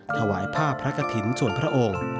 ถวายผ้าพระกฐินส่วนพระองค์